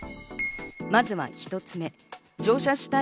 まずは１つ目。